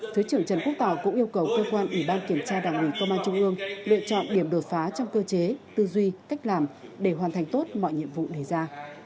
thứ trưởng trần quốc tỏ cũng yêu cầu cơ quan ủy ban kiểm tra đảng ủy công an trung ương lựa chọn điểm đột phá trong cơ chế tư duy cách làm để hoàn thành tốt mọi nhiệm vụ đề ra